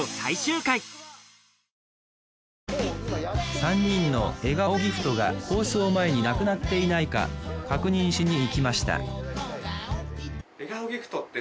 ３人のえがおギフトが放送前になくなっていないか確認しにいきました